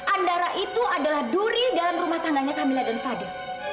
andara itu adalah duri dalam rumah tangganya kamila dan fadil